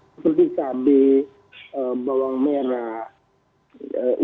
seperti kabe bawang merah